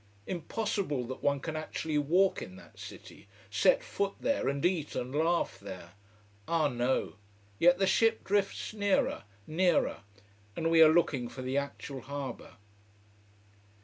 Impossible that one can actually walk in that city: set foot there and eat and laugh there. Ah, no! Yet the ship drifts nearer, nearer, and we are looking for the actual harbour.